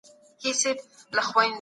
فساد کول په حقیقت کي د ځان سره دښمني ده.